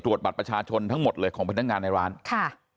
บัตรประชาชนทั้งหมดเลยของพนักงานในร้านค่ะ